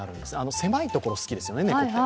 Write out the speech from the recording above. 狭いところ、好きですよね、猫って。